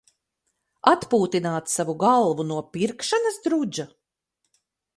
Atpūtināt savu galvu no "pirkšanas drudža"?